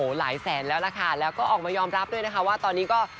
หลายแสนแล้วล่ะค่ะแล้วก็ออกมายอมรับด้วยนะคะว่าตอนนี้ก็